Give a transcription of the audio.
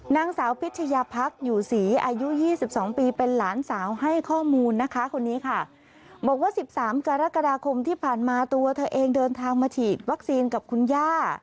นางสาวพิชยาพักอยู่ศรีอายุ๒๒ปีเป็นหลานสาวให้ข้อมูลนะคะคนนี้ค่ะบอกว่า๑๓กรกฎาคมที่ผ่านมาตัวเธอเองเดินทางมาฉีดวัคซีนกับคุณย่า